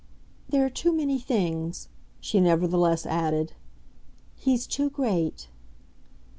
"There are too many things," she nevertheless added. "He's too great."